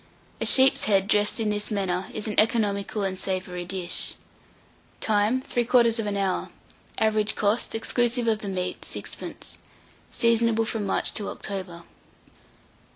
A sheep's head dressed in this manner is an economical and savoury dish. Time. 3/4 hour. Average cost, exclusive of the meat, 6d. Seasonable from March to October.